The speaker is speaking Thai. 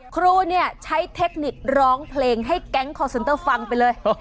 ครูเนี่ยใช้เทคนิคร้องเพลงให้แก๊งคอร์เซนเตอร์ฟังไปเลย